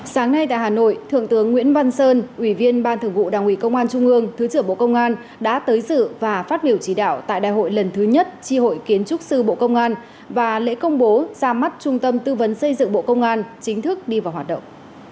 sáng nay tại hà nội thượng tướng nguyễn văn sơn ủy viên ban thường vụ đảng ủy công an trung ương thứ trưởng bộ công an đã tới dự và phát biểu chỉ đạo tại đại hội lần thứ nhất tri hội kiến trúc sư bộ công an và lễ công bố ra mắt trung tâm tư vấn xây dựng bộ công an chính thức đi vào hoạt động